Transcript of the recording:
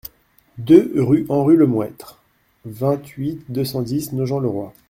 deux rue Henri Lemouettre, vingt-huit, deux cent dix, Nogent-le-Roi